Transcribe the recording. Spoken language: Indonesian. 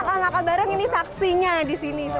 berarti nakal nakal bareng ini saksinya di sini semua